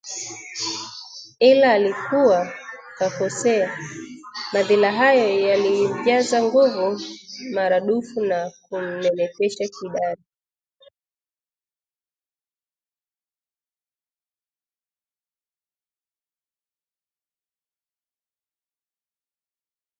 Ila alikuwa kakosea, madhila hayo yalimjaza nguvu maradufu na kumnenepeshea kidari